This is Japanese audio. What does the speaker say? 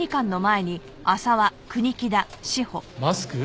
マスク？